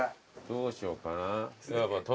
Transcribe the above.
どうしようかな。